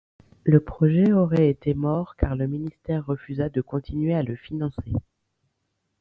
Le projet aurait été mort car le ministère refusa de continuer à le financer.